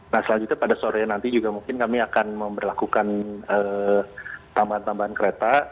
nah selanjutnya pada sore nanti juga mungkin kami akan memperlakukan tambahan tambahan kereta